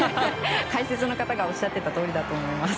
解説の方がおっしゃってたとおりだと思います。